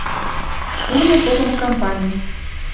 ШУРНО ПОГЫМО КАМПАНИЙ